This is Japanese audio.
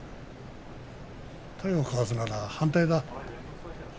体をかわすなら反対だ。